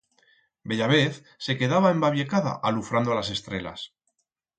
Bella vez se quedaba embabiecada alufrando las estrelas.